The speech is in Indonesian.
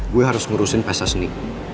gue harus ngurusin pesta seni